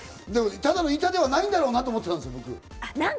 ただの板ではないんだろうなと思ってたんです。